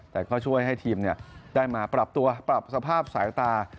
แต่ก็ช่วยให้ทีมได้มาปรับตัวปรับสภาพสายตา